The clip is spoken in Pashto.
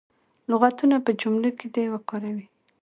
لغتونه په جملو کې دې وکاروي.